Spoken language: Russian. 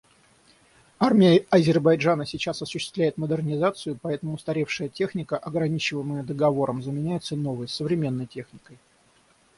Армия Азербайджана сейчас осуществляет модернизацию, поэтому устаревшая техника, ограничиваемая Договором, заменяется новой, современной техникой.